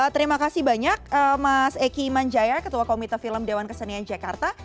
terima kasih banyak mas eky iman jaya ketua komite film dewan kesenian jakarta